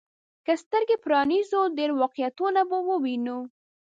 که سترګي پرانيزو، ډېر واقعيتونه به ووينو.